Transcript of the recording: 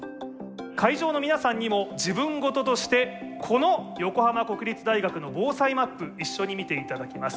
会場の皆さんにも自分事としてこの横浜国立大学の防災マップ一緒に見て頂きます。